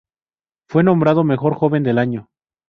Fue nombrado mejor joven del año.